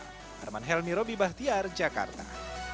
herman helmy roby bahtiar jakarta